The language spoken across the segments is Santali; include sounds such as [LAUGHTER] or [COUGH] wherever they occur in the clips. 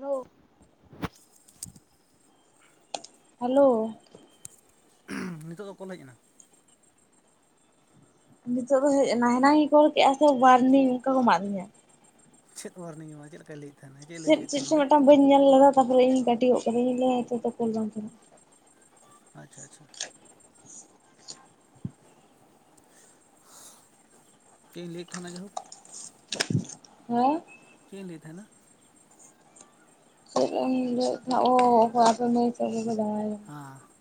Hello [INAUDIBLE] hello. [UNINTELLIGIBLE] ᱱᱤᱛᱚᱜ ᱫᱚ ᱠᱚᱞ ᱦᱮᱡ ᱮᱱᱟ? ᱱᱤᱛᱚᱜ ᱫᱚ ᱦᱮᱡ ᱮᱱᱟ, ᱦᱮᱱᱟᱝᱤᱧ ᱠᱚᱞ ᱠᱮᱫᱼᱟ ᱥᱮ ᱚᱣᱟᱨᱱᱤᱝ ᱚᱱᱠᱟ ᱠᱚ ᱮᱢᱟ ᱫᱤᱧᱟ, ᱪᱮᱫ ᱚᱣᱟᱨᱱᱤᱝ ᱮᱢᱟᱜ ᱪᱮᱫ ᱞᱮᱠᱟ ᱞᱟᱹᱭ ᱪᱮᱫ ᱦᱚᱪᱚᱭᱮᱫ ᱪᱮᱫ ᱛᱟᱦᱮᱱᱟ ᱪᱚᱝ ᱚᱸᱰᱮ ᱢᱤᱫᱴᱟᱝ ᱵᱟᱹᱧ ᱧᱮᱞ ᱞᱮᱫᱟ ᱛᱟᱯᱚᱨᱮ ᱤᱧ ᱠᱟᱹᱴᱤ ᱜᱚᱜ ᱠᱟᱹᱫᱤᱧ ᱱᱟᱣᱟ ᱛᱮᱫᱚ ᱠᱚᱞ ᱵᱟᱝ ᱪᱟᱞᱟᱜᱼᱟ, ᱟᱪᱪᱷᱟ ᱟᱪᱪᱷᱟ᱾ ᱪᱮᱫ ᱤᱧ ᱞᱟᱹᱭᱮᱫ ᱛᱟᱦᱮᱸᱱᱟ ᱡᱟᱭᱦᱳᱠ ᱦᱮᱸ? ᱪᱮᱫ ᱤᱧ ᱞᱟᱹᱭᱮᱛ ᱛᱟᱦᱮᱸᱱᱟ? ᱪᱮᱫ ᱮᱢ ᱞᱟᱹᱭᱮᱫ ᱛᱟᱸᱦᱮᱱᱟ ᱚ ᱟᱯᱮ ᱢᱟᱹᱭ [UNINTELLIGIBLE] ᱥᱮ ᱨᱮᱠᱚ ᱡᱟᱶᱟᱭ ᱠᱟᱫᱮᱭᱟ᱾ [UNINTELLIGIBLE]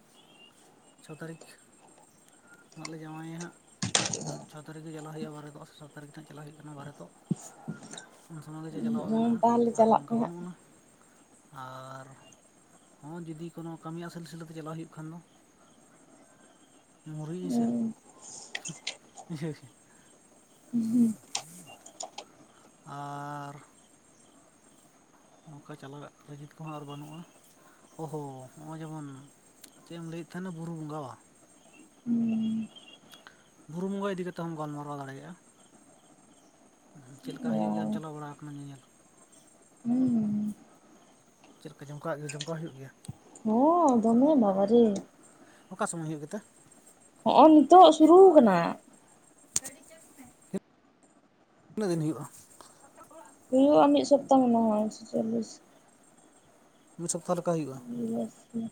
ᱪᱷᱚ ᱛᱟᱹᱨᱤᱠᱷ ᱱᱟᱦᱟᱸᱜ ᱞᱮ ᱡᱟᱶᱟᱭᱟ ᱦᱟᱸᱜ᱾ ᱪᱷᱚ ᱛᱟᱹᱨᱤᱠᱷ ᱜᱮ ᱪᱟᱞᱟᱜ ᱦᱩᱭᱩᱜᱼᱟ ᱵᱟᱨᱮᱛᱚᱜ ᱥᱮ ᱥᱟᱛ ᱛᱟᱹᱨᱤᱠᱷ ᱦᱟᱸ ᱪᱟᱞᱟᱜ ᱦᱩᱭᱩᱜ ᱠᱟᱱᱟ ᱵᱟᱨᱮᱛᱚᱜ᱾ ᱩᱱ ᱥᱚᱢᱚᱭ ᱜᱮ ᱡᱮ ᱪᱟᱞᱟᱣ ᱦᱩᱸ ᱢᱮᱱᱟᱜᱼᱟ ᱛᱟᱦᱚᱞᱮ ᱟᱨᱚᱸ ᱪᱟᱞᱟᱜ ᱯᱮ ᱚᱱᱠᱟ ᱦᱟᱸᱜ ᱵᱟᱹᱱᱩᱜ ᱟᱱᱟ, ᱟᱨ ᱦᱚᱸ ᱡᱩᱫᱤ ᱠᱳᱱᱳ ᱠᱟᱹᱢᱤ ᱟᱥᱮᱞ ᱟᱥᱮᱞ ᱟᱛᱮ ᱪᱟᱞᱟᱜ ᱦᱩᱭᱩᱜ ᱠᱷᱟᱱ ᱫᱚ᱾ ᱢᱩᱨᱤ ᱤ ᱥᱮ ᱦᱩᱸ [UNINTELLIGIBLE] ᱦᱩᱸ ᱦᱩᱸ ᱟᱨ ᱱᱚᱝᱠᱟ ᱪᱟᱞᱟᱜ ᱨᱮᱟᱜ ᱟᱨ ᱠᱮᱫ ᱠᱚᱦᱚᱸ ᱟᱨ ᱵᱟᱱᱩᱜ-ᱟ᱾ ᱚᱦᱚ ᱱᱚᱜᱼᱚᱭ ᱡᱮ ᱢᱚᱱ ᱪᱮᱫ ᱮᱢ ᱞᱟᱹᱭ ᱮᱫ ᱛᱟᱦᱮ ᱱᱟ ᱵᱩᱨᱩ ᱵᱚᱸᱜᱟ ᱵᱟᱝ? ᱵᱩᱨᱩ ᱵᱚᱸᱜᱟ ᱤᱫᱤ ᱠᱟᱛᱮᱫ ᱦᱚᱸᱢ ᱜᱟᱞᱢᱟᱨᱟᱣ ᱫᱟᱲᱮᱭᱟᱜᱼᱟ᱾ ᱪᱮᱫ ᱞᱮᱠᱟ ᱦᱩᱭᱩᱜ ᱦᱩᱸ ᱜᱮᱭᱟᱢ ᱪᱟᱞᱟᱣ ᱵᱟᱲᱟ ᱟᱠᱟᱱᱟ᱾ ᱧᱮ ᱧᱮᱞ ᱦᱩᱸ ᱪᱮᱫ ᱞᱮᱠᱟ ᱡᱚᱢ ᱠᱟᱜ ᱡᱚᱢ ᱠᱟᱭ ᱦᱩᱭᱩᱜ ᱜᱮᱭᱟ᱾ ᱦᱚᱭ ᱫᱚᱢᱮ ᱵᱟᱵᱟ ᱨᱮ ᱚᱠᱟ ᱥᱚᱢᱚᱭ ᱦᱩᱭᱩᱜ ᱜᱮᱛᱮ? ᱦᱚᱼᱚᱭ ᱱᱤᱛᱚᱜ ᱥᱩᱨᱩ ᱠᱟᱱᱟ᱾ ᱛᱤᱱᱟᱹᱜ ᱫᱤᱱ ᱦᱩᱭᱩᱜᱼᱟ? ᱦᱩᱭᱩᱜᱼᱟ ᱢᱤᱫ ᱥᱚᱯᱛᱟᱦᱚ ᱢᱟᱱᱮ ᱦᱚᱭ ᱮᱠᱥᱚ ᱪᱚᱞᱞᱤᱥ ᱢᱤᱫ ᱥᱚᱯᱛᱟ ᱦᱚ ᱞᱮᱠᱟ ᱦᱩᱭᱩᱜᱼᱟ᱾ ᱵᱮᱥ ᱜᱮ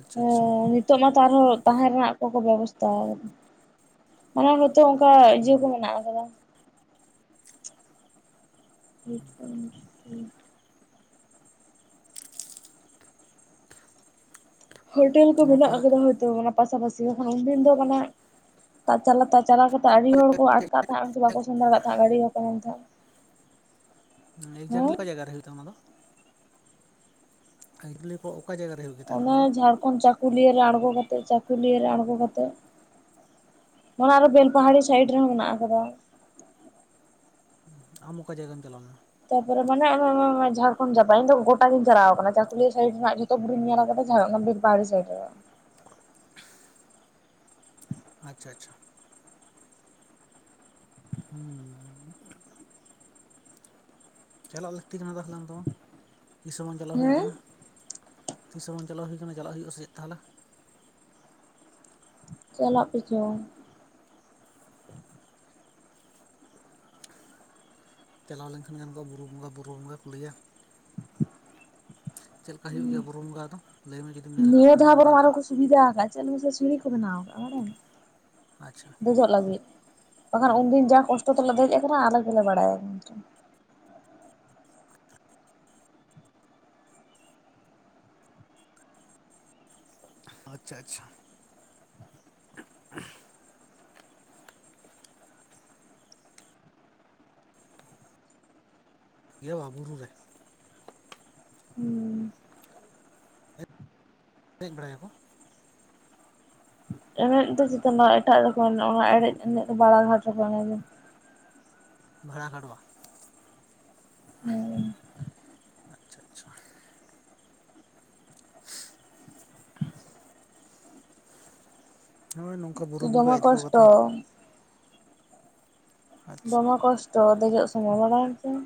ᱟᱪᱪᱷᱟ ᱟᱪᱪᱷᱟ ᱦᱮᱸ ᱢᱤᱫ ᱛᱚᱵᱮ ᱛᱚ ᱟᱨᱦᱚᱸ ᱛᱟᱦᱮᱸ ᱨᱮᱱᱟᱜ ᱠᱚ ᱠᱚ ᱵᱮᱵᱚᱥᱛᱷᱟ ᱟᱠᱟᱫᱟ᱾ ᱛᱚ ᱚᱱᱠᱟ ᱤᱭᱟᱹ ᱠᱚ ᱢᱮᱱᱟᱜ ᱟᱠᱟᱫᱟ᱾ [UNINTELLIGIBLE] ᱦᱳᱴᱮᱞ ᱠᱚ ᱚᱱᱟ ᱢᱮᱱᱟᱜ ᱛᱟᱦᱚᱞᱮ ᱛᱚ ᱟᱠᱟᱫᱟ ᱦᱚᱭᱛᱳ ᱯᱟᱥᱟ ᱯᱟᱥᱤ ᱵᱟᱠᱷᱟᱱ ᱩᱱᱫᱤᱱ ᱫᱚ ᱢᱟᱱᱮ ᱛᱚ ᱪᱟᱞᱟᱣ ᱠᱟᱛᱮᱜ ᱟᱹᱰᱤ ᱦᱚᱲ ᱠᱚ ᱟᱴ ᱠᱟᱜ ᱛᱟᱦᱮᱸᱱᱟ ᱥᱮ ᱵᱟᱠᱚ ᱥᱮᱱ ᱫᱟᱲᱮ ᱛᱟᱦᱮ ᱜᱟᱹᱰᱤ ᱵᱟᱠᱚ ᱧᱟᱢᱟ ᱛᱟᱦᱮᱱ᱾ [UNINTELLIGIBLE] ᱡᱟᱭᱜᱟ ᱨᱮ ᱦᱩᱭᱩᱜᱼᱟ ᱚᱱᱟ ᱫᱚ [UNINTELLIGIBLE] ᱠᱚ ᱚᱠᱟ ᱡᱟᱭᱜᱟ ᱨᱮ ᱦᱩᱭᱩᱜᱼᱟ᱾ ᱚᱱᱮ ᱡᱷᱟᱲᱠᱷᱚᱸᱰ ᱪᱟᱹᱠᱩᱞᱤᱭ ᱨᱮ ᱟᱲᱜᱚ ᱠᱟᱛᱮᱜ ᱪᱟᱹᱠᱩᱞᱤᱭ ᱨᱮ ᱟᱲᱜᱚ ᱠᱟᱛᱮᱜ ᱚᱱᱟ ᱨᱮ ᱵᱮᱞ ᱯᱟᱦᱟᱲᱤ ᱥᱟᱭᱤᱰ ᱨᱮ ᱦᱚᱸ ᱢᱮᱱᱟᱜ ᱟᱠᱟᱫᱟ᱾ ᱟᱢ ᱚᱠᱟ ᱡᱟᱭ ᱜᱟᱢ ᱪᱟᱞᱟᱣ ᱞᱮᱱᱟ᱾ ᱛᱟᱯᱚᱨ ᱮ ᱢᱟᱱᱮ ᱡᱷᱟᱲᱠᱷᱚᱸᱰ ᱪᱟᱯᱟᱜ ᱤᱧ ᱫᱚ ᱜᱚᱴᱟ ᱜᱤᱧ ᱪᱟᱞᱟᱣ ᱟᱠᱟᱱᱟ ᱪᱟᱹᱠᱩᱞᱤᱭᱟᱹ ᱥᱟᱭᱤᱰ ᱨᱮᱱᱟᱜ [UNINTELLIGIBLE] ᱜᱤᱧ ᱧᱮᱞ ᱟᱠᱟᱫᱟ ᱚᱱᱟ ᱵᱮᱞ ᱯᱟᱦᱟᱲᱤ ᱥᱟᱭᱤᱰ ᱨᱮ ᱟᱪᱪᱷᱟ ᱟᱪᱪᱷᱟ ᱦᱩᱸ ᱪᱟᱞᱟᱜ ᱞᱟᱹᱠᱛᱤ ᱠᱟᱱᱟ ᱛᱟᱦᱚᱞᱮ ᱟᱢ ᱛᱤᱥ ᱦᱚ ᱵᱟᱝ ᱪᱟᱞᱟᱣ ᱦᱩᱭᱩ ᱦᱮᱸ ᱠᱟᱱᱟ᱾ ᱛᱤᱥ ᱦᱚ ᱵᱟᱝ ᱪᱟᱞᱟᱣ ᱦᱩᱭ ᱠᱟᱱᱟ ᱪᱟᱞᱟᱜ ᱦᱩᱭᱩᱜᱼᱟ ᱥᱮ ᱪᱮᱫ ᱛᱟᱦᱚᱞᱮ? ᱪᱟᱞᱟᱜ ᱯᱮ ᱪᱚ ᱪᱟᱞᱟᱣ ᱞᱮᱱ ᱠᱷᱟᱱ ᱜᱟᱱ ᱠᱚᱼᱟ ᱵᱩᱨᱩ ᱵᱚᱸᱜᱟ ᱵᱩᱨᱩ ᱵᱚᱸᱜᱟ ᱠᱚ ᱞᱟᱹᱤᱭᱟ᱾ ᱪᱮᱫ ᱞᱮᱠᱟ ᱦᱩᱭᱩᱜ ᱜᱮᱭᱟ ᱵᱩᱨᱩ ᱵᱚᱸᱜᱟ ᱫᱚ ᱞᱟᱹᱭ ᱢᱮ ᱡᱩᱫᱤᱢ ᱧᱮᱞ ᱟᱠᱟᱫ ᱱᱤᱭᱟᱹ ᱠᱷᱟᱱ ᱫᱚ ᱫᱷᱟᱣ ᱵᱚᱨᱚᱝ ᱵᱟᱨᱭᱟ ᱟᱨᱚ ᱠᱚ ᱥᱩᱵᱤᱫᱷᱟ ᱪᱮᱫ ᱞᱟ. ᱭ ᱢᱮᱥᱮ ᱥᱤᱲᱤ ᱠᱚ ᱵᱮᱱᱟᱣ ᱟᱠᱟᱫᱟ᱾ ᱵᱟᱲᱟᱭ ᱟᱢ ᱟᱪᱪᱷᱟ ᱫᱮ ᱡᱚᱜ ᱞᱟᱹᱜᱤᱫ ᱵᱟᱠᱷᱟᱱ ᱩᱱ ᱚ ᱫᱤᱱ ᱡᱟ ᱠᱚᱥᱴᱚ ᱛᱮ ᱞᱮ ᱫᱮᱡ ᱟᱠᱟᱱᱟ ᱟᱞᱮ ᱜᱮ ᱞᱮ ᱵᱟᱲᱟ ᱭᱟ᱾ ᱟᱪᱪᱷᱟ ᱟᱪᱪᱷᱟ [UNINTELLIGIBLE] ᱜᱮ ᱵᱟ ᱵᱩᱨᱩ ᱨᱮ ᱫᱮᱡ ᱵᱟᱲᱟᱭᱟ ᱠᱚ ᱾ ᱮᱱᱮᱡ ᱫᱚ ᱡᱚᱛᱚᱱᱟᱜ ᱮᱴᱟᱜ ᱨᱮ ᱠᱚ ᱮᱱᱮᱡᱼᱟ ᱚᱱᱟ ᱮᱲᱮᱡ ᱮᱱᱮᱡ ᱫᱚ ᱵᱟᱲᱟ ᱜᱷᱟᱴ ᱨᱮ ᱠᱚ ᱮᱱᱮᱡᱟ᱾ ᱵᱷᱟᱲᱟ ᱠᱷᱟᱰᱶᱼᱟ᱾ ᱦᱮᱸ ᱟᱪᱪᱷᱟ ᱟᱪᱪᱷᱟ ᱦᱚᱭ ᱱᱚᱝᱠᱟ ᱵᱩᱨᱩ ᱫᱚᱢᱮ ᱵᱚᱸᱜᱟ ᱤᱫᱤᱠᱚ ᱠᱚᱥᱴᱚ ᱠᱟᱛᱷᱟ ᱾ ᱟᱪᱪᱷᱟ ᱫᱚᱢᱮ ᱠᱚᱥᱴᱚ ᱫᱮᱡᱚᱜ ᱥᱚᱢᱚᱭ ᱵᱟᱲᱟᱭᱟᱢ ᱥᱮ ᱾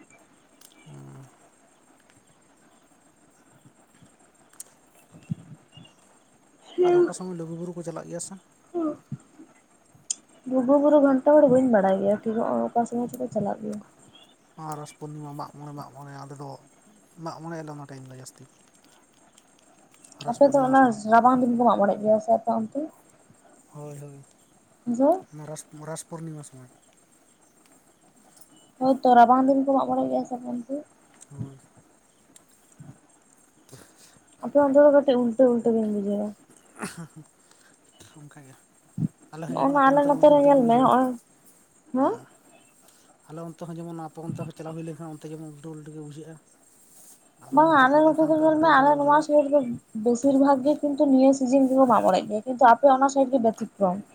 ᱟᱨ ᱚᱠᱟ ᱥᱚᱢᱚᱭ ᱞᱩᱜᱩᱵᱩᱨᱩ ᱠᱚ ᱪᱟᱞᱟᱜ ᱜᱮᱭᱟ ᱥᱮ? ᱞᱩᱜᱩ ᱵᱩᱨᱩ ᱜᱷᱱᱴᱟ ᱵᱟᱹᱲᱤ ᱵᱟᱹᱧ ᱵᱟᱲᱟᱭ ᱜᱮᱭᱟ ᱾ ᱴᱷᱤᱠᱜᱼᱚᱭ ᱚᱠᱟ ᱥᱚᱢᱚᱭ ᱪᱚᱠᱚ ᱪᱟᱞᱟᱜ ᱜᱮᱭᱟ ᱾ ᱱᱚᱣᱟ ᱨᱟᱥ ᱯᱩᱨᱱᱤᱢᱟ ᱢᱟᱜ ᱢᱚᱬᱮ ᱢᱟᱜ ᱢᱚᱬᱮ ᱟᱞᱮ ᱫᱚ ᱢᱟᱜ ᱢᱚᱬᱮ ᱟᱞᱮ ᱚᱱᱟ ᱴᱟᱭᱤᱢ ᱞᱮ ᱡᱟᱹᱥᱛᱤ ᱾ ᱟᱯᱮ ᱫᱚ ᱚᱱᱟ ᱨᱟᱵᱟᱝ ᱫᱤᱱ ᱯᱮ ᱢᱟᱜ ᱢᱚᱬᱮᱜ ᱜᱮᱭᱟ ᱥᱮ ᱟᱯᱮ ᱚᱱᱛᱮ? ᱦᱳᱭ ᱦᱳᱭ᱾ ᱡᱮ ᱢᱚᱨᱟᱥ ᱢᱚᱨᱟᱥ ᱯᱩᱨᱱᱤᱢᱟ ᱥᱚᱢᱚᱭ, ᱦᱳᱭᱛᱚ ᱨᱟᱵᱟᱝ ᱫᱤᱱ ᱯᱮ ᱢᱟᱜ ᱢᱚᱬᱮᱜ ᱜᱮᱭᱟ ᱥᱮ ᱟᱯᱮ ᱚᱱᱛᱮ? ᱦᱳᱭ᱾ ᱟᱯᱮ ᱚᱱᱛᱮ ᱫᱚ ᱠᱟᱹᱴᱤᱡ ᱩᱞᱴᱟᱹ ᱩᱞᱴᱟᱹ ᱜᱮᱧ ᱵᱩᱡᱷᱟᱹᱣᱟ ᱾ [UNINTELLIGIBLE] ᱚᱱᱠᱟᱜᱮ, ᱟᱞᱮ ᱦᱚᱸ ᱱᱚᱜᱼᱚ ᱡᱚᱡᱷᱚᱱ ᱱᱟ ᱟᱯᱮ ᱟᱞᱮ ᱚᱱᱛᱮ ᱱᱚᱛᱮ ᱩᱞᱴᱟᱹ ᱨᱮ ᱩᱞᱴᱟᱹ ᱧᱮᱞ ᱞᱮ ᱢᱮ ᱵᱩᱡᱷᱟᱹᱣᱟ ᱦᱚᱸᱜᱼᱚᱭ ᱦᱮᱸ ᱟᱸ ᱼᱼ ᱟᱞᱮ ᱚᱱᱛᱮ ᱦᱚᱸ ᱡᱮᱢᱚᱱ ᱟᱯᱮ ᱚᱱᱛᱮ ᱦᱚᱸ ᱪᱟᱞᱟᱣ ᱦᱩᱭ ᱞᱮᱱᱠᱷᱟᱱ ᱚᱱᱛᱮ ᱡᱮᱢᱚᱱ ᱩᱞᱴᱟᱹ ᱩᱞᱴᱟᱹ ᱜᱮ ᱵᱩᱡᱷᱟᱹᱜ-ᱟ ᱾ ᱵᱟᱝᱟ ᱟᱞᱮ ᱱᱚᱛᱮ ᱫᱚ ᱧᱮᱞ ᱢᱮ ᱟᱞᱮ ᱱᱚᱣᱟ ᱥᱟᱭᱤᱰ ᱫᱚ ᱵᱮᱥᱤᱨ ᱵᱷᱟᱜᱽ ᱜᱮ ᱠᱤᱱᱛᱩ ᱱᱤᱭᱟᱹ ᱥᱤᱡᱤᱱ ᱠᱚ ᱢᱟᱜ ᱢᱚᱬᱮᱜ ᱜᱮᱭᱟ ᱠᱤᱱᱛᱩ ᱟᱯᱮ ᱚᱱᱟ ᱥᱟᱭᱤᱰ ᱜᱮ ᱵᱮᱛᱤᱠᱨᱚᱢ ᱾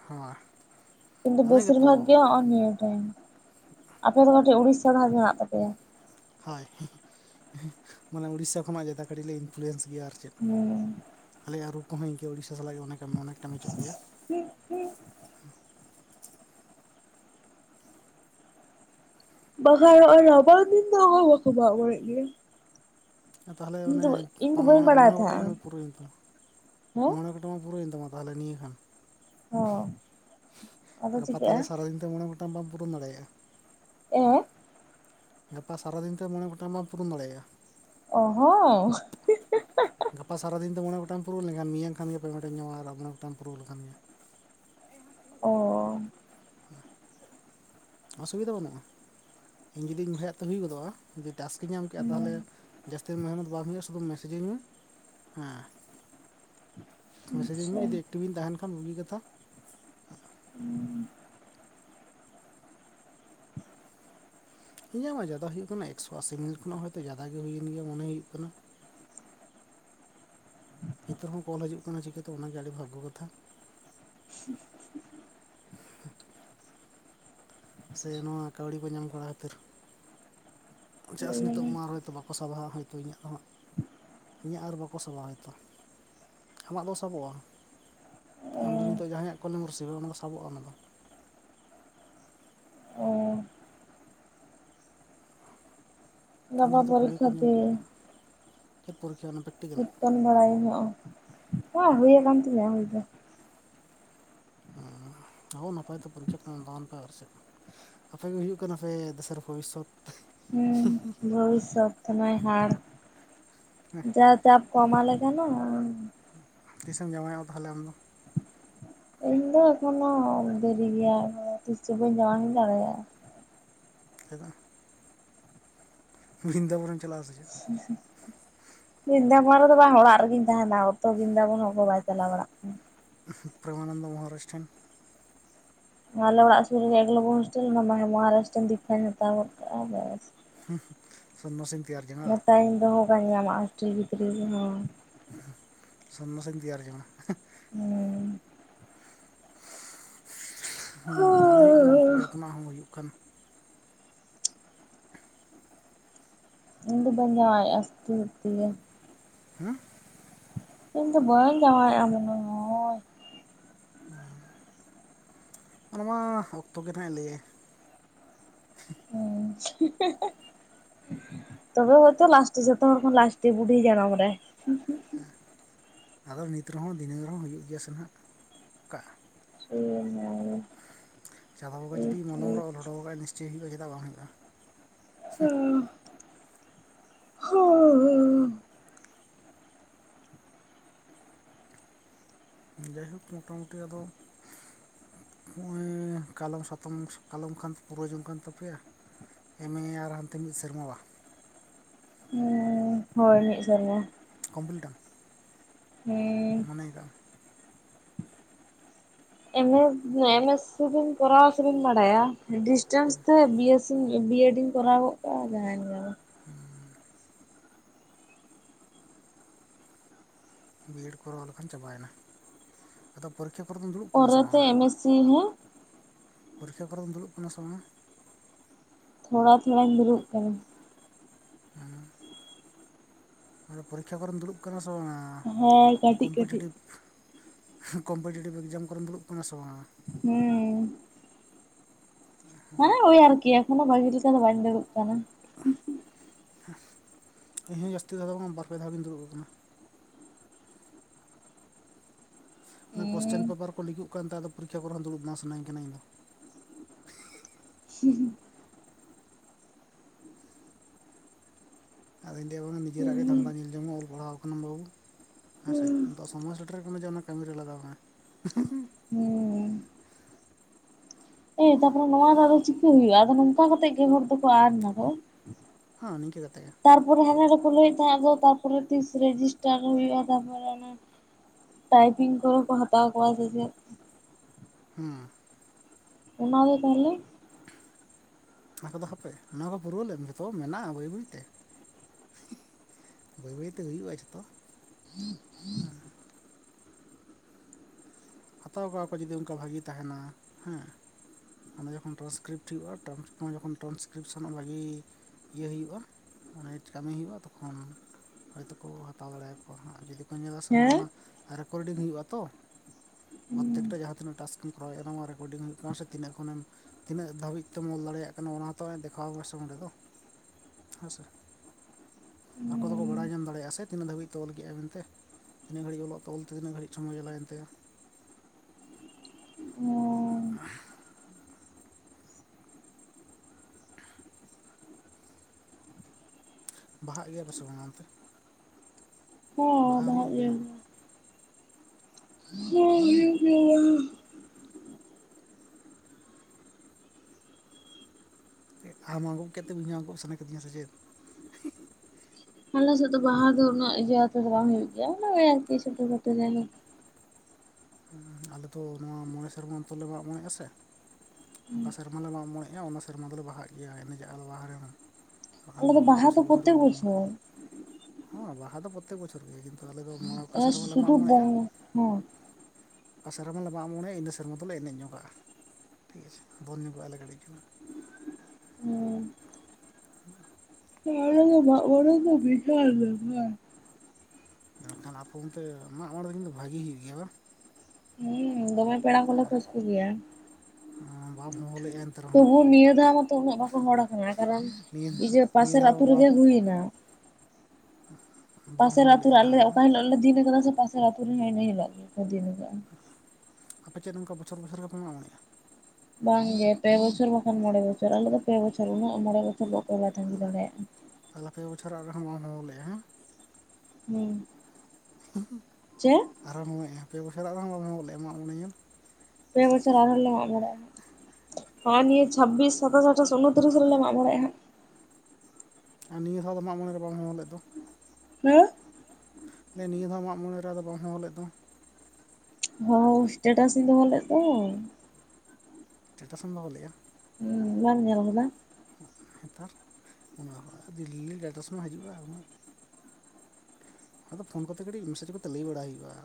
[INAUDIBLE] ᱠᱤᱱᱛᱩ ᱵᱮᱥᱤᱨ ᱵᱷᱟᱜᱽ ᱜᱮᱛᱚ ᱚᱸ ᱜᱮ ᱱᱤᱭᱟᱹ ᱴᱤᱭᱤᱢ ᱟᱯᱮ ᱫᱚ ᱠᱟᱹᱴᱤᱡ ᱩᱲᱤᱥᱥᱟ ᱵᱷᱟᱵ ᱢᱮᱱᱟᱜ ᱛᱟᱯᱮᱭᱟ᱾ ᱦᱳᱭ ᱢᱟᱱᱮ ᱩᱲᱤᱥᱥᱟ ᱠᱷᱚᱱᱟᱜ ᱡᱟᱫᱟ ᱠᱟᱹᱲᱤ ᱞᱮ ᱤᱱᱯᱷᱩᱭᱮᱱᱥ ᱜᱮᱭᱟ ᱟᱨ ᱪᱮᱫ ᱾ ᱦᱩᱸ᱾ ᱟᱞᱮᱭᱟᱜ ᱨᱩ ᱠᱚᱦᱚᱸ ᱤᱱᱠᱟᱹ ᱩᱲᱤᱥᱥᱟ ᱥᱟᱞᱟᱜ ᱜᱮ ᱢᱚᱱᱮ ᱠᱟᱜ ᱢᱮ ᱚᱱᱮᱠ ᱢᱮᱪᱚᱜ ᱜᱮᱭᱟ [INAUDIBLE] ᱵᱟᱠᱷᱟᱱ ᱦᱚᱸᱜ ᱚ ᱨᱟᱵᱟᱝ ᱫᱤᱱ ᱫᱚ [UNINTELLIGIBLE] ᱵᱟᱠᱚ ᱢᱟᱜ ᱢᱚᱬᱮᱜ ᱜᱮᱭᱟ᱾ ᱟ ᱛᱟᱦᱚᱞᱮ ᱤᱧ ᱚᱱᱮ ᱫᱚ ᱤᱧ ᱫᱚ ᱵᱟᱹᱧ ᱢᱚᱬᱮ ᱵᱟᱲᱟᱭ ᱢᱚᱬᱮ ᱜᱚᱴᱟᱝ ᱛᱟᱦᱮᱸᱜᱼᱟ ᱯᱩᱨᱟᱹᱭᱮᱱ ᱛᱟᱢᱟ, ᱦᱮᱸ ᱢᱚᱬᱮ ᱜᱚ ᱼᱼ ᱴᱟᱝᱟ ᱯᱩᱨᱟᱹᱣᱮᱱ ᱛᱟᱢᱟ ᱛᱟᱦᱚᱞᱮ ᱱᱤᱭᱟᱹ ᱠᱷᱟᱱ? ᱦᱚᱸ᱾ ᱟᱫᱚ ᱜᱟᱯᱟ ᱛᱟᱦᱚᱞᱮ ᱪᱤᱠᱟᱹᱜᱼᱟ ᱥᱟᱨᱟᱫᱤᱱ ᱛᱮ ᱢᱚᱬᱮ ᱜᱚᱴᱟᱝ ᱵᱟᱢ ᱯᱩᱨᱩᱱ ᱫᱟᱲᱮᱭᱟᱜ-ᱟ? ᱮᱻ ᱜᱟᱯᱟ ᱥᱟᱨᱟᱫᱤᱱ ᱛᱮ ᱢᱚᱬᱮ ᱜᱚᱴᱟᱝ ᱵᱟᱢ ᱯᱩᱨᱩᱱ ᱫᱟᱲᱮᱭᱟᱜ-ᱟ? ᱚᱻ ᱦᱚᱸ ᱼᱼ ᱜᱟᱯᱟ ᱥᱟᱨᱟ ᱫᱤᱱ ᱛᱮ ᱢᱚᱬᱮ ᱜᱚᱴᱟᱝ ᱯᱩᱨᱚᱱ ᱞᱮᱱ ᱠᱷᱟᱱ ᱜᱮ ᱢᱮᱭᱟᱝ ᱠᱷᱟᱱ ᱜᱮ ᱯᱮᱢᱮᱴᱮᱢ ᱧᱟᱢᱟ ᱟᱨ ᱢᱚᱬᱮ ᱜᱚᱴᱟᱜ ᱯᱩᱨᱟᱹᱣ ᱞᱮᱠᱷᱟᱱ ᱜᱮ ᱾ ᱚᱻ ᱚᱥᱩᱵᱤᱫᱷᱟ ᱵᱟᱹᱱᱩᱜ-ᱟ ᱤᱧ ᱡᱩᱫᱤ ᱤᱧ ᱵᱷᱟᱭᱟᱜ ᱛᱮ ᱦᱩᱭ ᱜᱚᱫᱚᱜ-ᱟ ᱡᱩᱫᱤ ᱴᱟᱠᱥ ᱤᱧ ᱧᱟᱢ ᱠᱮᱜ-ᱟ ᱦᱩᱸ ᱛᱟᱦᱚᱞᱮ ᱼᱼ ᱡᱟᱹᱥᱛᱤ ᱢᱮᱦᱱᱚᱛ ᱵᱟᱝ ᱦᱩᱭᱩᱜ-ᱟ ᱥᱩᱫᱩ ᱢᱮᱥᱮᱡᱤᱧ ᱢᱮ ᱦᱮᱸ ᱢᱮᱥᱮᱡ ᱟᱹᱧ ᱢᱮ ᱟᱪᱪᱷᱟ ᱡᱩᱤ ᱮᱠᱴᱤᱵᱷ ᱵᱤᱱ ᱛᱟᱦᱮᱱ ᱠᱷᱟᱱ ᱵᱩᱜᱤ ᱠᱟᱛᱷᱟ ᱩᱸ ᱤᱧᱟᱹᱜ ᱢᱟ ᱡᱟᱫᱟ ᱦᱩᱭᱩᱜ ᱠᱟᱱᱟ ᱮᱠᱥᱚ-ᱟᱥᱤ ᱢᱤᱱᱤᱴ ᱠᱷᱚᱱᱟᱜ ᱦᱚᱸᱛᱚ ᱡᱟᱫᱟ ᱜᱮ ᱦᱩᱭᱮᱱ ᱜᱮᱭᱟ ᱢᱚᱱᱮ ᱦᱩᱭᱩᱜ ᱠᱟᱱᱟ ᱾ ᱱᱤᱛᱚᱜ ᱦᱚᱸ ᱠᱚᱞ ᱦᱤᱡᱩᱜ ᱠᱟᱱᱟ ᱪᱤᱠᱟᱹᱛᱮ ᱚᱱᱟ ᱜᱮ ᱟᱹᱰᱤ ᱵᱷᱟᱜᱽᱜᱚ ᱠᱟᱛᱷᱟ ᱾ ᱦᱩᱸᱻ [INAUDIBLE] ᱥᱮ ᱱᱚᱣᱟ ᱠᱟᱹᱣᱰᱤ ᱠᱚ ᱧᱟᱢ ᱠᱚᱲᱟ ᱠᱷᱟᱹᱛᱤᱨ ᱪᱮᱫᱟᱜ ᱥᱮ ᱱᱤᱛᱚᱜ ᱢᱟ [UNINTELLIGIBLE] ᱵᱟᱠᱚ ᱥᱟᱵᱟᱜ-ᱟ ᱦᱚᱭᱛᱳ ᱤᱧᱟᱹᱜ ᱫᱚ ᱦᱟᱸᱜ ᱤᱧᱟᱹᱜ ᱟᱨ ᱵᱟᱠᱚ ᱥᱟᱵᱟᱟᱜ ᱦᱚᱭᱛᱳ ᱾ ᱟᱢᱟᱜ ᱫᱚ ᱥᱟᱵᱚᱜ-ᱟ ᱟᱢ ᱚ ᱡᱩᱫᱤ ᱱᱤᱛᱚᱜ ᱡᱟᱦᱟᱸᱭᱟᱜ ᱠᱚᱞᱮᱢ ᱨᱥᱤᱵᱟ ᱚᱱᱟ ᱫᱚ ᱥᱟᱵᱚᱜ-ᱟ ᱚᱱᱟ ᱫᱚ ᱼᱼ ᱚ ᱤᱧ ᱜᱟᱯᱟ ᱦᱚᱭᱛᱚ [UNINTELLIGIBLE] ᱯᱚᱨᱤᱠᱠᱷᱟ ᱠᱚ ᱧᱟᱢ ᱠᱮᱜ-ᱟ ᱫᱤᱭᱮ ᱪᱮᱫ ᱯᱚᱨᱤᱠᱷᱟ ᱚᱱᱟ ᱯᱮ [UNINTELLIGIBLE] ᱵᱟᱲᱟᱭ ᱧᱚᱜᱼᱟ ᱵᱟᱝ ᱦᱩᱭ ᱠᱟᱱ ᱛᱤᱧᱟᱹ ᱦᱩᱭ ᱫᱚ ᱼᱼ ᱦᱩᱸ ᱱᱟᱯᱟᱭ ᱛᱮ ᱯᱚᱨᱤᱠᱠᱷᱟ ᱠᱚ ᱮᱢ ᱛᱟᱵᱚᱱ ᱯᱮ ᱟᱨ ᱥᱮᱫ᱾ ᱟᱯᱮᱜᱮ ᱦᱩᱭᱩᱜ ᱠᱟᱱᱟ ᱯᱮ ᱫᱮᱥᱮᱨ ᱵᱷᱚᱵᱤᱥᱚᱛ ᱾ ᱵᱷᱚᱵᱤᱥᱚᱛ [UNINTELLIGIBLE] [UNINTELLIGIBLE] ᱪᱟᱯ ᱠᱚ ᱮᱢᱟ ᱞᱮ ᱠᱟᱱᱟ ᱾ ᱛᱤᱥᱮᱢ ᱡᱟᱶᱟᱭᱚᱜ-ᱟ ᱛᱟᱦᱚᱞᱮ ᱟᱢᱫᱚ? ᱤᱧ ᱫᱚ ᱮᱠᱷᱚᱱᱳ ᱫᱮᱨᱤ ᱜᱮᱭᱟ ᱛᱤᱥ ᱪᱚ ᱵᱟᱹᱧ ᱡᱟᱶᱟᱭ ᱦᱚᱸ ᱫᱟᱲᱮᱭᱟᱜ-ᱧ᱾ ᱪᱮᱫᱟᱜ? ᱵᱤᱱᱫᱟᱵᱚᱱᱮᱢ ᱪᱟᱞᱟᱜᱼᱟ ᱥᱮ ᱪᱮᱫ? [UNINTELLIGIBLE] ᱵᱤᱫᱟᱵᱚᱱ ᱨᱮᱫᱚ ᱵᱟᱝ ᱚᱲᱟᱜ ᱨᱮᱜᱤᱧ ᱛᱟᱦᱮᱱᱟ ᱛᱚ ᱵᱤᱫᱟ ᱵᱚᱱ ᱦᱚᱸᱠᱚ ᱵᱟᱭ ᱪᱟᱞᱟᱣ ᱵᱟᱲᱟᱜ ᱠᱟᱱᱟ ᱾ ᱯᱨᱮᱚᱢᱟᱱᱚᱱᱫᱚ ᱢᱚᱦᱟᱨᱟᱡ ᱴᱷᱮᱱ ᱾ ᱟᱞᱮ ᱚᱲᱟᱜ ᱥᱩᱨ ᱨᱮᱜ ᱮᱜᱞᱚᱵ ᱦᱚᱥᱴᱮᱞ [UNINTELLIGIBLE] ᱢᱚᱦᱟᱨᱟᱥᱴᱨᱧ ᱫᱤᱠᱠᱷᱟᱧ ᱦᱟᱛᱟᱣᱚᱫ ᱠᱟᱜᱼᱟ, ᱵᱟᱥ ᱦᱩᱸ ᱾ ᱥᱚᱱᱱᱟᱥᱤᱧ ᱛᱮᱭᱟᱨ ᱡᱮ ᱱᱮᱛ ᱤᱧ ᱫᱚᱦᱚᱠᱟᱧ ᱧᱟᱢᱚᱜᱼᱟ ᱦᱚᱥᱴᱮᱞ ᱵᱷᱤᱛᱨᱤ ᱨᱮᱦᱚᱸ ᱾ ᱥᱚᱱᱱᱟᱥᱤ ᱛᱮᱭᱟᱨ ᱡᱟᱢᱟ ᱾ ᱦᱮᱸ ᱾ ᱦᱚᱸ ᱢᱚᱱᱮ ᱦᱩᱭᱩᱜ ᱠᱟᱱᱟ ᱚᱱᱠᱟᱜ ᱜᱮ ᱟᱯᱚᱱᱟᱜ ᱦᱚᱸ ᱦᱩᱭᱩᱜ ᱠᱟᱱ ᱾ ᱤᱧ ᱫᱚ ᱵᱟᱹᱧ ᱧᱟᱢᱶᱟᱭᱚᱜᱼᱟ ᱦᱩᱥᱛᱤᱥᱩᱛᱤ ᱜᱮ ᱾ ᱦᱮᱸ ᱾ ᱠᱤᱱᱛᱩ ᱵᱚᱭ ᱡᱟᱶᱟᱭᱚᱜᱼᱟ ᱦᱩᱱᱟᱜ ᱾ ᱚᱱᱟ ᱱᱚᱣᱟ ᱚᱠᱛᱚ ᱜᱮ ᱱᱟᱜ ᱮ ᱞᱟᱹᱭᱟ ᱾ ᱦᱮᱸ ᱾ ᱛᱚᱵᱮ ᱦᱚᱭᱛᱳ ᱞᱟᱥᱴᱮ ᱡᱚᱛᱚ ᱦᱚᱲ ᱠᱷᱚᱱ ᱞᱟᱥᱴᱮ ᱵᱩᱰᱤ ᱡᱮᱱᱚᱢ ᱨᱮ ᱾ ᱟᱫᱚ ᱱᱤᱛ ᱨᱮᱦᱚᱸ ᱫᱷᱤᱱᱟᱹᱢ ᱨᱮᱦᱚᱸ ᱦᱩᱭᱩᱜ ᱜᱮᱭᱟ ᱥᱮ ᱱᱟᱦᱟᱜ ᱾ ᱚᱠᱟᱜᱼᱟ? ᱥᱮ [UNINTELLIGIBLE] ᱾ ᱪᱟᱸᱫᱚ ᱵᱚᱸᱜᱟ ᱡᱩᱫᱤ ᱢᱚᱞᱚᱝ ᱨᱮ ᱚᱞ ᱦᱚᱴᱚ ᱠᱷᱟᱱᱡᱚ ᱱᱤᱥᱪᱚᱭ ᱦᱩᱭᱩᱜᱼᱟ᱾ ᱪᱮᱫᱟᱜ ᱵᱟᱝ ᱦᱩᱭᱩᱜᱼᱟ ᱾ [UNINTELLIGIBLE] ᱦᱳᱭ ᱡᱟᱭᱦᱳᱠ ᱢᱳᱴᱟᱢᱩᱴᱤ ᱟᱫᱚ ᱾ ᱱᱚᱜᱼᱚᱭ ᱠᱟᱞᱚᱢ ᱥᱟᱛᱚᱢ ᱠᱟᱞᱚᱢ ᱠᱷᱟᱱ ᱯᱩᱨᱟᱹ ᱡᱚᱝ ᱠᱟᱱ ᱛᱟᱯᱮᱭᱟ ᱾ ᱮᱢ ᱟᱨ ᱦᱟᱱᱛᱮ ᱢᱤᱫ ᱥᱮᱨᱢᱟ ᱵᱟᱝ? ᱦᱳᱭ ᱢᱤᱫ ᱥᱮᱨᱢᱟ ᱾ ᱠᱚᱢᱯᱤᱞᱤᱴᱟᱢ ᱢᱚᱱᱮᱭ ᱫᱟᱢ? ᱮᱢ ᱮᱢᱮᱥ ᱥᱤᱵᱤᱱ ᱠᱚᱨᱟᱣᱟ ᱥᱮ ᱵᱟᱝ ᱵᱟᱹᱧ ᱵᱟᱰᱟᱭᱟ ᱰᱤᱥᱴᱮᱱᱥ ᱛᱮ ᱵᱤᱭᱮᱥ ᱤ ᱵᱤᱭᱮᱰᱤᱧ ᱾ ᱠᱚᱨᱟᱣ ᱜᱚᱫ ᱠᱟᱜᱼᱟ ᱡᱟᱦᱟ ᱜᱮ ᱾ ᱵᱤᱭᱮᱰ ᱠᱚᱨᱟᱣ ᱞᱮᱠᱷᱟᱱ ᱪᱟᱵᱟᱭᱮᱱᱟ ᱾ ᱟᱫᱚ ᱯᱚᱨᱤᱠᱷᱟ ᱠᱚᱨᱮ ᱫᱚᱢ ᱫᱩᱲᱩᱵ ᱠᱟᱱᱟ ᱥᱮ ᱯᱚᱨᱮᱛᱮ ᱵᱟᱝᱼᱟ? ᱮᱢ ᱮᱥ ᱥᱤ ᱦᱚᱸ ᱯᱚᱨᱤᱠᱷᱟ ᱠᱚᱨᱮ ᱫᱚᱢ ᱫᱩᱲᱩᱵ ᱠᱟᱱᱟ ᱥᱮ ᱵᱟᱝᱼᱟ? ᱛᱷᱚᱲᱟ ᱛᱷᱚᱲᱟᱧ ᱫᱩᱲᱩᱵ ᱠᱟᱱᱟ ᱾ ᱟᱨ ᱯᱚᱨᱤᱠᱠᱷᱟ ᱠᱚᱨᱮᱢ ᱫᱩᱲᱩᱵ ᱠᱟᱱᱟ ᱥᱮ ᱦᱮᱸ ᱠᱟᱹᱴᱤᱡ ᱠᱟᱹᱴᱤᱡ ᱠᱚᱢᱯᱤᱴᱤᱮᱴᱤᱵᱷ? ᱠᱚᱢᱯᱤᱴᱤᱮᱴᱤᱵᱽ ᱮᱠᱡᱟᱢ ᱠᱚᱨᱮᱢ ᱫᱩᱲᱩᱵ ᱠᱟᱱᱟ ᱥᱮ ᱵᱟᱝ? ᱦᱮᱸ ᱾ ᱦᱮᱸ ᱳᱭ ᱟᱨᱠᱤ ᱮᱠᱷᱚᱱᱳ ᱵᱷᱟᱹᱜᱤ ᱞᱮᱠᱟ ᱫᱚ ᱵᱟᱹᱧ ᱫᱩᱲᱩᱵ ᱠᱟᱱᱟ ᱾ ᱤᱧ ᱦᱚ ᱡᱟᱥᱛᱤ ᱫᱷᱟᱣ ᱫᱚ ᱵᱟᱝ ᱵᱟᱨ ᱯᱮ ᱫᱷᱟᱣ ᱜᱮᱧ ᱫᱩᱲᱩᱵ ᱟᱠᱟᱱᱟ ᱾ ᱚᱱᱟ ᱠᱚᱥᱪᱟᱱ ᱦᱩᱸ ᱯᱮᱯᱟᱨ ᱠᱚ ᱞᱤᱜ ᱠᱟᱱ ᱛᱟᱭ ᱟᱫᱚ ᱯᱚᱨᱤᱠᱠᱷᱟ ᱠᱚᱨᱮ ᱦᱚᱸ ᱫᱩᱲᱩᱵ ᱵᱟᱝ ᱥᱟᱱᱟᱧ ᱠᱟᱱᱟ ᱤᱧ ᱫᱚ ᱾ [UNINTELLIGIBLE] ᱟᱫᱚᱧ ᱞᱟᱹᱭᱟ ᱵᱟᱠᱷᱟᱱ ᱱᱤᱡᱮᱨᱟᱜ ᱜᱮ ᱫᱷᱟᱫᱟ ᱦᱩᱸ ᱧᱮᱞ ᱧᱚᱝᱚᱜ ᱢᱮ ᱚᱞ ᱯᱟᱲᱦᱟᱣ ᱟᱠᱟᱱᱟ ᱵᱟᱹᱵᱩ ᱦᱮᱸᱥᱮ ᱦᱩᱸ ᱥᱚᱢᱚᱭ ᱥᱮᱴ ᱡᱮ ᱚᱱᱟ ᱠᱟᱹᱢᱤ ᱨᱮ ᱞᱟᱜᱟᱣ ᱢᱮ [UNINTELLIGIBLE] ᱦᱮᱸ᱾ ᱮ ᱛᱟᱨᱯᱚᱨᱮ ᱱᱚᱣᱟ ᱫᱚ ᱟᱫᱚ ᱪᱤᱠᱟᱹ ᱦᱩᱭᱩᱜᱼᱟ, ᱟᱫᱚ ᱱᱚᱝᱠᱟ ᱠᱟᱛᱮᱜ ᱜᱮ ᱦᱚᱲ ᱫᱚᱠᱚ ᱟᱫ ᱱᱟᱠᱚ? ᱦᱩᱸ ᱱᱤᱠᱟᱹ ᱠᱟᱛᱮᱜ ᱜᱮ᱾ ᱛᱟᱨᱯᱚᱨᱮ ᱦᱟᱱᱮ ᱦᱟᱸᱰᱮ ᱠᱚ ᱞᱟᱹᱭᱮᱫ ᱛᱟᱦᱮᱸᱫ ᱫᱚ ᱛᱟᱨᱯᱚᱨᱮ ᱛᱤᱥ ᱨᱮᱡᱤᱥᱴᱟᱨ ᱦᱩᱭᱩᱜᱼᱟ ᱛᱟᱯᱚᱨᱮ ᱚᱱᱟ ᱴᱟᱭᱯᱤᱝ ᱠᱚᱨᱮ ᱠᱚ ᱦᱟᱛᱟᱣ ᱠᱚᱣᱟᱭ ᱥᱮᱪᱮᱫ? ᱦᱮᱸ᱾ ᱚᱱᱟᱜᱮ ᱛᱟᱦᱚᱞᱮ? ᱚᱱᱟ ᱠᱚᱫᱚ ᱦᱟᱯᱮ ᱱᱚᱣᱟ ᱠᱚ ᱯᱩᱨᱟᱹᱣᱞᱮᱢ ᱡᱚᱛᱚ ᱢᱮᱱᱟᱜᱼᱟ ᱵᱟᱹᱭ ᱵᱟᱹᱭᱛᱮ, ᱵᱟᱹᱭ ᱵᱟᱹᱭᱛᱮ ᱦᱩᱭᱩᱜᱼᱟ ᱡᱷᱚᱛᱚ ᱦᱮᱸ, ᱦᱟᱛᱟᱣ ᱠᱚᱜᱣᱟ ᱠᱚ ᱡᱩᱫᱤ ᱚᱱᱠᱟ ᱵᱷᱟᱹᱜᱤ ᱛᱟᱦᱮᱸᱱᱟ ᱦᱮᱸ, ᱦᱟᱸᱱᱮ ᱡᱚᱠᱷᱚᱱ ᱴᱟᱨᱱᱥᱠᱨᱤᱯᱴ ᱦᱩᱭᱩᱜᱳᱜᱼᱟ ᱡᱚᱠᱷᱚᱱ ᱴᱨᱟᱱᱥᱠᱨᱤᱯᱥᱚᱱ ᱵᱷᱟᱜᱤ ᱤᱭᱟᱹ ᱦᱩᱭᱩᱜᱼᱟ [UNINTELLIGIBLE] ᱠᱟᱹᱢᱤ ᱦᱩᱭᱩᱜᱼᱟ ᱛᱚᱠᱷᱚᱱ ᱦᱳᱭᱛᱳᱠᱚ ᱦᱟᱛᱟᱣ ᱫᱟᱲᱮᱭᱟᱠᱚᱣᱟ ᱦᱟᱸᱜ, ᱡᱩᱫᱤ ᱠᱚ ᱧᱮᱞᱟ ᱥᱮ ᱱᱚᱣᱟ ᱦᱮᱸ ᱢᱟ ᱨᱮᱠᱚᱨᱰᱤᱝ ᱦᱩᱭᱩᱜᱼᱟ ᱛᱚ ᱯᱨᱚᱠᱛᱮᱠᱴᱟ ᱡᱟᱦᱟᱸ ᱛᱱᱟᱹᱜ ᱴᱟᱥ ᱠᱮᱢ ᱠᱚᱨᱟᱣᱮᱫᱟ ᱱᱚᱣᱟ ᱨᱮᱠᱳᱰᱤᱝ ᱦᱩᱭᱩᱜ ᱠᱟᱱᱟ ᱥᱮ ᱛᱤᱱᱟᱹᱜ ᱠᱷᱚᱱᱮᱢ ᱛᱤᱱᱟᱹᱜ ᱫᱷᱟᱹᱵᱤᱡ ᱛᱮᱢ ᱚᱞ ᱫᱟᱲᱮᱭᱟᱜ ᱠᱟᱱᱟ ᱚᱱᱟ ᱦᱚᱸ ᱛᱚ ᱫᱮᱠᱷᱟᱣᱟ ᱟᱥᱮ ᱚᱸᱰᱮ ᱫᱚ, ᱦᱮᱸ ᱥᱮ ᱟᱠᱚ ᱫᱚᱠᱚ ᱵᱟᱲᱟᱭ ᱧᱟᱢ ᱫᱟᱲᱮᱭᱟᱜᱼᱟ ᱥᱮ ᱛᱤᱱᱟᱹᱜ ᱫᱷᱟᱹᱵᱤᱡ ᱛᱮ ᱚᱞ ᱠᱮᱜᱟᱭ ᱢᱮᱱᱛᱮ, ᱛᱤᱱᱟᱹᱜ ᱜᱟᱹᱲᱤᱡ ᱚᱞᱳ ᱛᱚ ᱚᱞ ᱛᱮ ᱛᱤᱱᱟᱹᱜ ᱜᱟᱹᱲᱤᱡ ᱥᱚᱢᱚᱭ ᱨᱟ ᱞᱟᱣᱮᱱ ᱛᱮ ᱵᱟᱦᱟᱜ ᱜᱮᱭᱟ ᱯᱮ ᱥᱮ ᱵᱟᱝ ᱚᱱᱛᱮ, ᱵᱟᱦᱟ ᱦᱩᱭᱩᱜ ᱜᱮᱭᱟ? [UNINTELLIGIBLE] ᱟᱢ ᱟᱸᱜᱚᱵ ᱠᱮᱜ ᱛᱮ ᱤᱧᱦᱚ ᱟᱸᱜᱚᱵ ᱥᱟᱱᱟ ᱠᱮᱫᱤᱧᱟ ᱥᱮ ᱪᱮᱫ? ᱟᱞᱮ ᱥᱮᱫ ᱫᱚ ᱵᱟᱦᱟ ᱫᱚ ᱩᱱᱟᱹᱜ ᱤᱭᱟᱹ ᱛᱮ ᱫᱚ ᱵᱟᱝ ᱦᱩᱭᱩᱜ ᱜᱮᱭᱟ ᱚᱱᱟ ᱟᱨᱠᱤ ᱪᱷᱳᱴᱚ ᱠᱷᱟᱴᱚ ᱡᱟᱜᱮ, ᱟᱞᱮ ᱫᱚ ᱱᱚᱣᱟ ᱢᱚᱬᱮ ᱥᱮᱨᱢᱟ ᱚᱱᱛᱚᱞᱮ ᱢᱟᱜ ᱢᱚᱬᱮᱜᱼᱟ ᱥᱮ, ᱚᱠᱟ ᱥᱮᱨᱢᱟ ᱞᱮ ᱢᱟᱜ ᱢᱚᱬᱮᱜᱼᱟ ᱚᱱᱟ ᱥᱮᱨᱢᱟ ᱫᱚᱞᱮ ᱵᱟᱦᱟᱜ ᱜᱮᱭᱟ ᱮᱱᱮᱡᱟᱜᱼᱟᱞ ᱵᱟᱦᱟ ᱨᱮᱦᱚᱸ, ᱵᱟᱠᱷᱟᱱ ᱵᱚᱸᱜᱟ ᱫᱚ ᱵᱚᱪᱷᱚᱨ ᱵᱚᱪᱷᱚᱨ ᱜᱮᱞᱮ ᱵᱚᱸᱜᱟᱜᱼᱟ, ᱦᱟᱸ ᱵᱟᱦᱟ ᱫᱚ ᱯᱨᱚᱛᱮᱠ ᱵᱚᱪᱷᱚᱨ ᱜᱮ, ᱠᱤᱱᱛᱩ ᱟᱞᱮ ᱫᱚ ᱢᱚᱲᱮ ᱚᱠᱟ ᱥᱮᱨᱢᱟ ᱞᱮ ᱢᱟᱜ ᱢᱚᱬᱮᱜᱼᱟ ᱦᱳᱸ᱾ ᱚᱠᱟ ᱥᱮᱨᱢᱟ ᱞᱮ ᱢᱟᱜ ᱢᱚᱬᱮᱜᱼᱟ ᱤᱱᱟᱹ ᱥᱮᱨᱢᱟ ᱫᱚᱞᱮ ᱮᱱᱮᱡ ᱧᱚᱜᱟᱜᱼᱟ, ᱴᱷᱤᱠ ᱟᱪᱷᱮ ᱵᱚᱱ ᱧᱚᱜᱼᱟᱞᱮ ᱠᱟᱹᱴᱤᱡ ᱪᱩᱞᱩᱝ, ᱦᱮᱸ᱾ [UNINTELLIGIBLE] ᱢᱟᱜ ᱢᱚᱬᱮ ᱫᱚ ᱵᱤᱥᱟᱞ ᱵᱮᱯᱟᱨ ᱢᱮᱱ ᱠᱷᱟᱱ ᱟᱠᱚ ᱚᱱᱛᱮ ᱢᱟᱜ ᱢᱚᱬᱮ ᱫᱚ ᱠᱤᱱᱛᱩ ᱵᱷᱟᱜᱤ ᱦᱩᱭᱩᱜ ᱜᱮᱭᱟ ᱵᱟᱝ? ᱦᱮᱸ ᱫᱚᱢᱮ ᱯᱮᱲᱟ ᱠᱚ ᱞᱮ ᱠᱷᱚᱡ ᱠᱚ ᱜᱮᱭᱟ᱾ ᱵᱟᱦᱟ ᱢᱚᱦᱚᱸᱞᱮ ᱛᱚᱵᱩ ᱱᱤᱭᱟᱹ ᱫᱷᱟᱣ ᱢᱟᱛᱚ ᱩᱱᱟᱹᱜ ᱵᱟᱠᱚ ᱦᱚᱲ ᱠᱟᱱᱟ ᱠᱟᱨᱚᱱ ᱱᱤᱭᱟᱹ ᱤᱭᱟᱹ ᱱᱤᱭᱟᱹ ᱯᱟᱥᱮᱨ ᱫᱷᱟᱣ ᱟᱹᱛᱩ ᱵᱟᱢ ᱨᱮᱜᱮ ᱦᱩᱭ ᱱᱟ, ᱵᱟᱢ ᱯᱟᱥᱮᱨ ᱦᱚᱦᱚ ᱟᱹᱛᱩ ᱞᱮᱫᱼᱟ ᱟᱞᱮ ᱛᱟᱦᱚᱞᱮ ᱚᱠᱟ ᱦᱮᱸ ᱦᱤᱞᱳᱜ ᱫᱤᱱ ᱠᱟᱫᱟ ᱥᱮ ᱯᱟᱥᱮᱨ ᱟᱛᱩ ᱨᱮᱜᱮ ᱦᱤᱱᱟᱹ ᱦᱤᱞᱟᱹᱜ ᱫᱤᱱ ᱠᱟᱜᱼᱟ᱾ ᱟᱯᱮ ᱪᱮᱫ ᱱᱚᱝ ᱠᱟ ᱵᱚᱪᱷᱳᱨ ᱵᱚᱪᱷᱚᱨ ᱜᱮᱯᱮ ᱢᱟᱜ ᱢᱚᱲᱮᱜᱼᱟ? ᱵᱟᱝ ᱜᱮ ᱯᱮ ᱵᱚᱪᱷᱚᱨ ᱵᱟᱠᱷᱟᱱ ᱢᱚᱬᱮ ᱵᱚᱪᱷᱚᱨ ᱟᱞᱮ ᱫᱚ ᱯᱮ ᱵᱚᱪᱷᱚᱨ ᱩᱱᱟᱹᱜ ᱢᱚᱬᱮ ᱵᱚᱪᱷᱚᱨ ᱚᱠᱚᱭ ᱵᱟᱝ ᱛᱟᱺᱜᱤ ᱫᱟᱲᱮᱭᱟᱜᱼᱟ᱾ ᱛᱟᱦᱚᱞᱮ ᱯᱮ ᱵᱚᱪᱷᱚᱨ ᱟᱨᱦᱚᱸ [UNINTELLIGIBLE] ᱦᱩᱸ, ᱪᱮᱫ? ᱟᱨᱦᱚ ᱱᱚᱸᱜᱼᱚᱭ ᱯᱮ ᱵᱚᱪᱚᱨᱟᱜ ᱟᱨ ᱦᱚᱸ ᱞᱮ ᱢᱟᱜ ᱢᱚᱬᱮ ᱧᱮᱞ ᱯᱮ ᱵᱚᱪᱷᱳᱨ ᱟᱨᱦᱚᱸ ᱞᱮ ᱢᱟᱜ ᱢᱚᱬᱮᱜᱼᱟ, ᱦᱚᱸᱜ ᱱᱤᱭᱟᱹ ᱪᱷᱟᱵᱤᱥ, ᱥᱟᱛᱟᱥ, ᱟᱴᱷᱟᱥ ᱩᱱᱩᱛᱨᱤᱥ ᱨᱮᱞᱮ ᱢᱟᱜ ᱵᱟᱲᱮᱭᱟᱼᱟ᱾ ᱟᱨ ᱱᱤᱭᱟᱹ ᱫᱷᱟᱶ ᱫᱚ ᱢᱟᱜ ᱢᱚᱬᱮ ᱨᱮ ᱵᱟᱢ ᱦᱚᱦᱚ ᱞᱮᱫ ᱫᱚ? [UNINTELLIGIBLE] ᱮ ᱱᱤᱭᱟᱹ ᱫᱚ ᱢᱟᱜ ᱢᱚᱬᱮ ᱨᱮ ᱟᱫᱚ ᱵᱟᱢ ᱦᱚᱦᱚ ᱞᱮᱫ ᱫᱚ? ᱦᱳ ᱥᱴᱮᱴᱟᱥ ᱤᱧ ᱫᱚᱦᱚ ᱞᱮᱫ ᱫᱚ ᱥᱴᱮᱴᱟᱥ ᱮᱢ ᱫᱚᱦᱚ ᱞᱮᱜᱼᱟ? ᱦᱩᱸ, ᱵᱟᱢ ᱧᱮᱞ ᱟᱠᱟᱫᱟ? ᱱᱮᱛᱟᱨ ᱚᱱᱟᱢᱟ ᱫᱤᱞᱤ ᱜᱮ ᱥᱴᱮᱴᱥ ᱢᱟ ᱦᱤᱡᱩᱜᱼᱟ ᱾ᱩᱱᱟᱹᱜ ᱟᱫᱚ ᱯᱷᱳᱱ ᱠᱚᱛᱮ ᱠᱟᱹᱴᱤᱡ ᱢᱮᱥᱮᱡ ᱠᱚᱛᱮ ᱞᱟᱹᱭ ᱵᱟᱲᱟ ᱦᱩᱭᱩᱜᱼᱟ ᱾